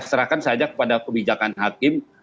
serahkan saja kepada kebijakan hakim